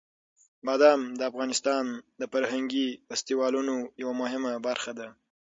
بادام د افغانستان د فرهنګي فستیوالونو یوه مهمه برخه ده.